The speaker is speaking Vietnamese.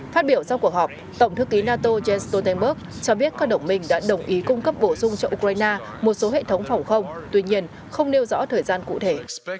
phát biểu sau cuộc họp tổng thư ký nato jens stoltenberg cho biết các đồng minh đã đồng ý cung cấp bổ sung cho ukraine một số hệ thống phòng không tuy nhiên không nêu rõ thời gian cụ thể